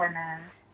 selamat sore mbak rika